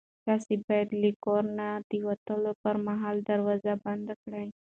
تاسو باید له کور نه د وتلو پر مهال دروازه بنده کړئ.